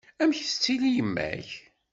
Amek tettili yemma-k?